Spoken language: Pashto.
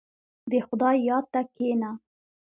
• د خدای یاد ته کښېنه.